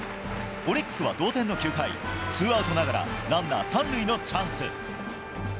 オリックスは同点の９回、ツーアウトながらランナー３塁のチャンス。